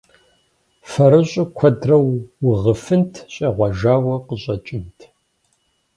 Фэрыщӏу куэдрэ угъыфынт – щӏегъуэжауэ къыщӏэкӏынт.